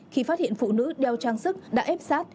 khi phát hiện phụ nữ đeo trang sức đã ép sát